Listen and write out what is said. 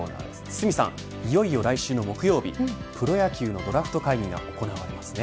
堤さん、いよいよ来週の木曜日プロ野球のドラフト会議が行われますね。